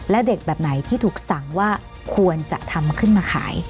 และเด็กแบบไหนที่ถูกสั่งว่าควรจะทำขึ้นมาขาย